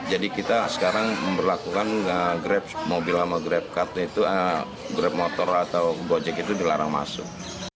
jadi kita sekarang berlakukan grab mobil sama grab kartu itu grab motor atau bocek itu dilarang masuk